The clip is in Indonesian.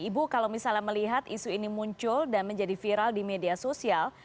ibu kalau misalnya melihat isu ini muncul dan menjadi viral di media sosial